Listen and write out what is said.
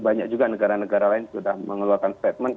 banyak juga negara negara lain sudah mengeluarkan statement